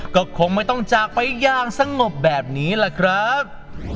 ก็คงไม่ต้องจากไปอย่างสงบแบบนี้แหละครับ